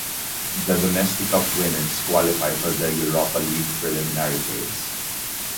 The domestic cup winners qualify for the Europa League preliminary phase.